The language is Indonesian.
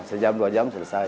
sejam dua jam selesai